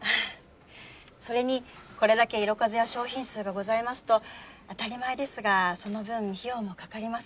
それにこれだけ色数や商品数がございますと当たり前ですがその分費用もかかります。